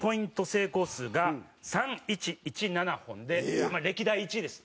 成功数が３１１７本で歴代１位です。